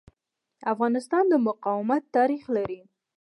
افغانستان د مقاومت تاریخ لري.